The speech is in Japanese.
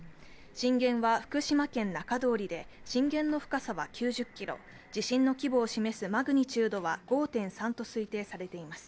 震源は福島県中通りで、震源の深さは９０ｋｍ、地震の規模を示すマグニチュードは５．３と推定されています。